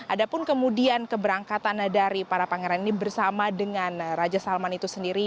ada pun kemudian keberangkatan dari para pangeran ini bersama dengan raja salman itu sendiri